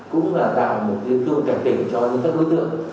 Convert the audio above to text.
cũng là tạo một tương cảnh tỉnh cho các đối tượng